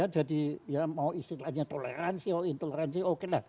jadi mau istilahnya toleransi atau intoleransi oke lah